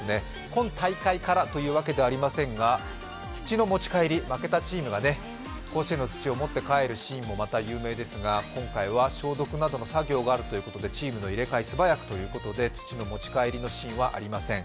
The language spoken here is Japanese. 今大会からというわけではありませんが、土の持ち帰り、負けたチームが甲子園の土を持って帰るシーンもまた有名ですが、今回は消毒などの作業があるということでチームの入れ替え、素早くということで土の持ち帰りのシーンはありません。